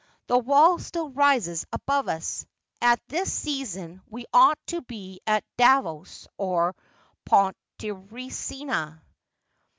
The wall still rises above us. At this season we ought to be at Davos or Pontresina.'